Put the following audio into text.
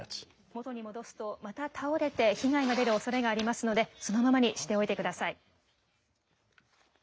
元に戻すとまた倒れて被害が出るおそれがありますのでそのままにしておいてください。